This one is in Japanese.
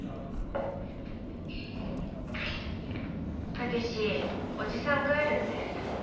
武志おじさん帰るって。